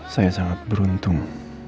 saya sangat beruntung